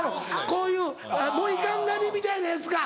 こういうモヒカン刈りみたいなやつか。